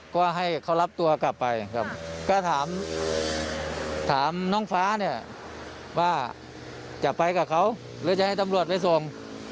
ก็ให้เขารับตัวกลับไปครับก็ถามน้องฟ้าเนี่ยว่าจะไปกับเขาหรือจะให้ตำรวจไปส่ง